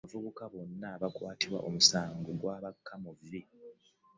Abavubuka bonna abaakwatibwa omusango gw'abaka mu vvi.